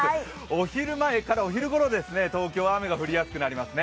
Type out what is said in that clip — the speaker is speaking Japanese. お昼前からお昼ごろ、東京は雨が降りやすくなります。